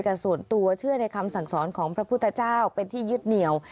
แต่ส่วนตัวเชื่อในคำสั่งสอนของพระพุทธเจ้าเป็นที่ยึดเหนียว